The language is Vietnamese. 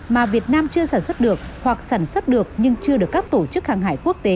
mà việt nam chưa sản xuất được hoặc sản xuất được nhưng chưa được các tổ chức hàng hải quốc tế